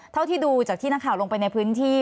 เท่าที่ดูจากที่นักข่าวลงไปในพื้นที่